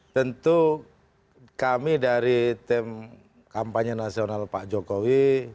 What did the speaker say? tentu kami dari tim kampanye nasional pak jokowi